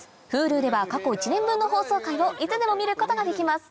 Ｈｕｌｕでは過去１年分の放送回をいつでも見ることができます